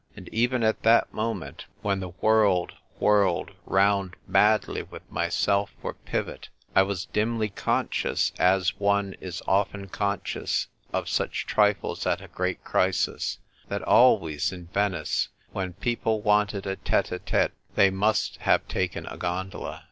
And even at that moment, when the world whirled round madly with myself for pivot, I was dimly conscious, as one is often conscious of such tr'fles at a great crisis, that always in Venice, when people wanted a tetc a tctc, they must have taken a gondola.